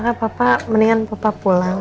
ya bapak mendingan bapak pulang